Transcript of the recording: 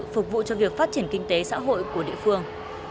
phục vụ cho việc phát triển kinh tế xã hội của địa phương